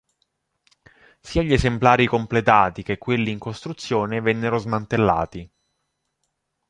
Sia gli esemplari completati che quelli in costruzione vennero smantellati.